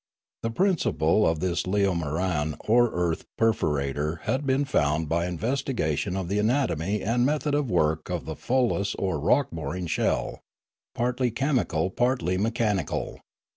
The principle of this leo moran or earth perforator had been found by investiga 88 Leomarie 89 tion of the anatomy and method of work of the pholas or rock boring shell, partly chemical, partly mechani cal.